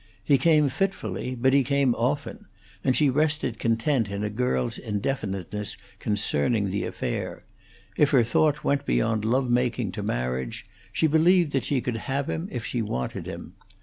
He came fitfully, but he came often, and she rested content in a girl's indefiniteness concerning the affair; if her thought went beyond lovemaking to marriage, she believed that she could have him if she wanted him.